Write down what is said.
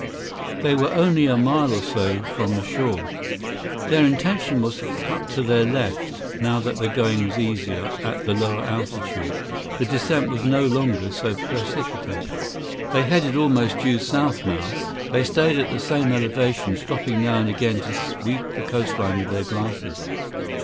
They were only a mile or so from the shore. Their intention was to cut to their left, now that the going was easier at the lower altitude. The descent was no longer so precipitate. They headed almost due south now. They stayed at the same elevation, stopping now and again to sweep the coast line with their glasses.